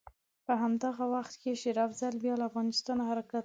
په همدغه وخت کې شېر افضل بیا له افغانستانه حرکت وکړ.